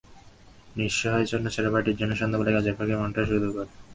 নিঃসহায় ছন্নছাড়া ভাইটার জন্য সন্ধ্যাবেলা কাজের ফাঁকে মনটা সু-দু করে।